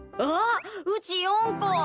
あうち４個。